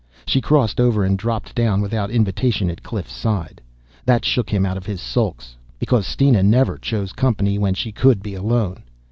She crossed over and dropped down without invitation at Cliff's side. That shook him out of his sulks. Because Steena never chose company when she could be alone.